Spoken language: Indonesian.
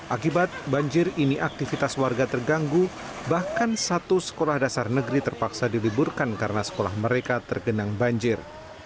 akibat banjir ini aktivitas warga terganggu bahkan satu sekolah dasar negeri terpaksa diliburkan karena sekolah mereka tergenang banjir